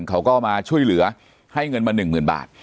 เขาก็มาช่วยเหลือให้เงินมา๑๐๐๐บาท